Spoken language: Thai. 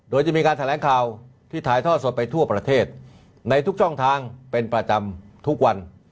โดยจะมีการแถลงข่าวที่ถ่ายท่อสดไปทั่วประเทศในทุกช่องทางเป็นประจำทุกวัน